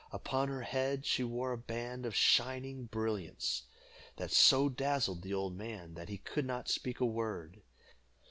Upon her head she wore a band of shining brilliants, that so dazzled the old man that he could not speak a word.